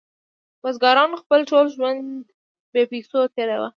بزګرانو خپل ټول ژوند بې پیسو تیروه.